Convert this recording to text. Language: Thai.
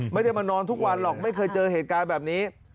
ไม่ได้มานอนทุกวันหรอกไม่เคยเจอเหตุการณ์แบบนี้